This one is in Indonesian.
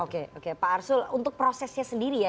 oke oke pak arsul untuk prosesnya sendiri ya